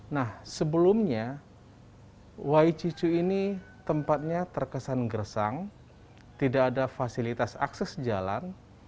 nah sebelumnya wai cicu ini tempatnya terkesan gersang tidak ada fasilitas akses jalan